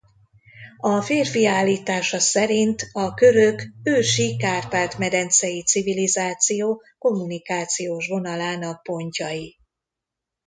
A férfi állítása szerint a körök ősi Kárpát-medencei civilizáció kommunikációs vonalának pontjai.